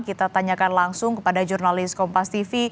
kita tanyakan langsung kepada jurnalis kompas tv